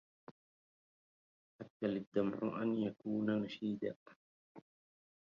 حق للدمع أن يكون نشيدا